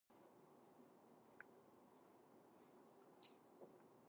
After three to five months the nymphs hatch.